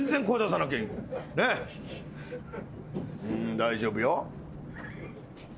大丈夫よ。